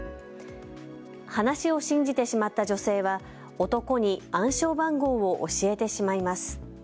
話を信じてしまった女性は男に暗証番号を教えてしまいます。